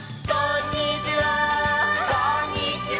「こんにちは」「」